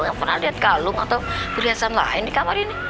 ibu gak pernah lihat kalung atau keliasan lain di kamar ini